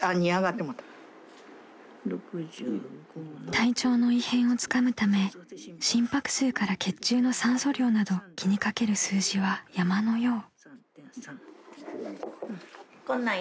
［体調の異変をつかむため心拍数から血中の酸素量など気に掛ける数字は山のよう］